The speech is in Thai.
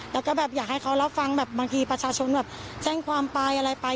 แล้วก็แบบอยากให้เขารับฟังแบบบางทีประชาชนแบบแจ้งความไปอะไรไป